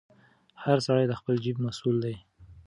هر سړی د خپل جیب مسوول دی.